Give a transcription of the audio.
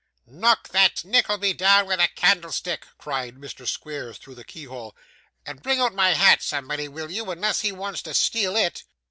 'Knock that Nickleby down with a candlestick,' cried Mr. Squeers, through the keyhole, 'and bring out my hat, somebody, will you, unless he wants to steal it.